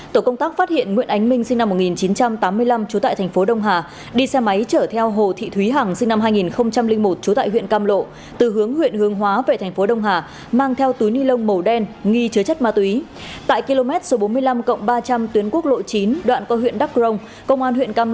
tổ công tác phát hiện nguyễn ánh minh sinh năm một nghìn chín trăm tám mươi năm trú tại tp đông hà đi xe máy chở theo hồ thị thúy hằng sinh năm hai nghìn một trú tại huyện cam lộ từ hướng huyện hương hóa về tp đông hà mang theo túi ni lông màu đen nghi chứa chất ma túy